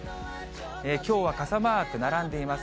きょうは傘マーク並んでいます。